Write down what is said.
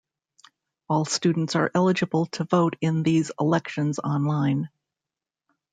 All students are eligible to vote in these elections on-line.